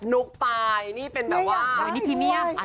นุกป้ายนี่เป็นแบบว่า